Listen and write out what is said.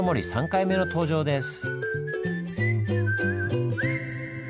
３回目の登場です。